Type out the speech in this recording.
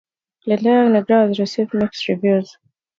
La Leyenda Negra has received mixed reviews.